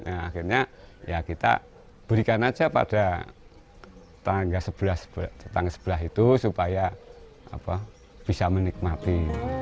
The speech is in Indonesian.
akhirnya ya kita berikan saja pada tangga sebelah itu supaya bisa menikmati